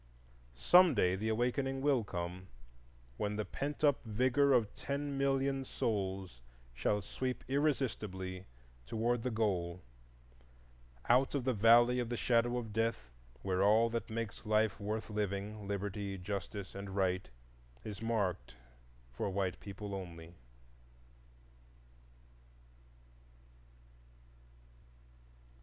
Some day the Awakening will come, when the pent up vigor of ten million souls shall sweep irresistibly toward the Goal, out of the Valley of the Shadow of Death, where all that makes life worth living—Liberty, Justice, and Right—is marked "For White People Only."